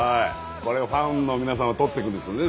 これファンの皆さんが通っていくんですよね